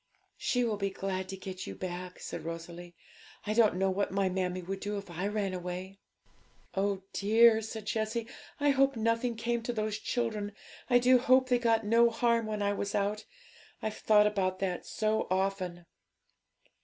'She will be glad to get you back,' said Rosalie. 'I don't know what my mammie would do if I ran away.' 'Oh dear!' said Jessie; 'I hope nothing came to those children; I do hope they got no harm when I was out! I've thought about that so often.'